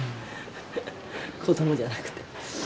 子どもじゃなくて。